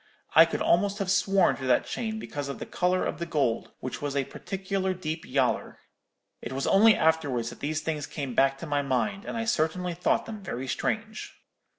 I could almost have sworn to that chain because of the colour of the gold, which was a particular deep yaller. It was only afterwards that these things came back to my mind, and I certainly thought them very strange.'